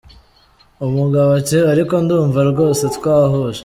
Umugabo ati "ariko ndumva rwose twahuje.